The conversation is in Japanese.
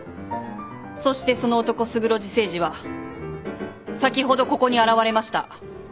そしてその男勝呂寺誠司は先ほどここに現れました。